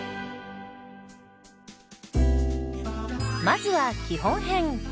まずは基本編。